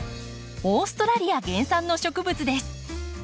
オーストラリア原産の植物です。